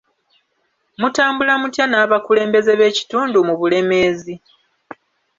Mutambula mutya n'abakulembeze b'ebitundu mu Bulemeezi?